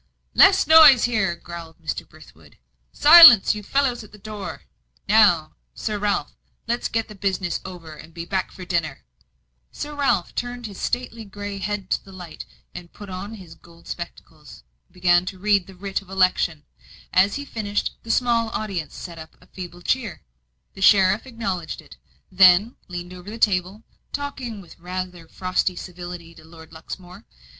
"Less noise there!" growled Mr. Brithwood. "Silence, you fellows at the door! Now, Sir Ralph, let's get the business over, and be back for dinner." Sir Ralph turned his stately grey head to the light, put on his gold spectacles, and began to read the writ of election. As he finished, the small audience set up a feeble cheer. The sheriff acknowledged it, then leaned over the table talking with rather frosty civility to Lord Luxmore.